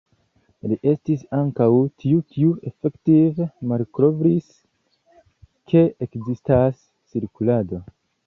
Li estis ankaŭ tiu kiu efektive malkovris ke ekzistas cirkulado.